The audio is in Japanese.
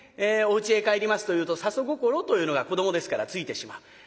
おうちへ帰りますというと里心というのが子どもですからついてしまう。